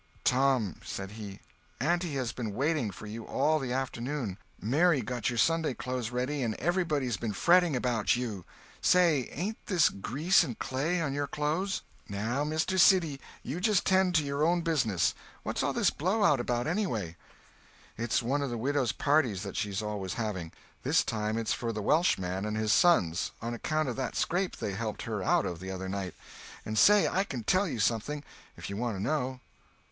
"Tom," said he, "auntie has been waiting for you all the afternoon. Mary got your Sunday clothes ready, and everybody's been fretting about you. Say—ain't this grease and clay, on your clothes?" "Now, Mr. Siddy, you jist 'tend to your own business. What's all this blowout about, anyway?" "It's one of the widow's parties that she's always having. This time it's for the Welshman and his sons, on account of that scrape they helped her out of the other night. And say—I can tell you something, if you want to know."